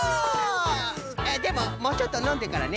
あっでももうちょっとのんでからね。